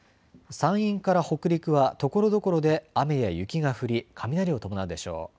山陰から北陸はところどころで雨や雪が降り、雷を伴うでしょう。